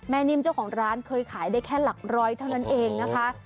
นิ่มเจ้าของร้านเคยขายได้แค่หลักร้อยเท่านั้นเองนะคะ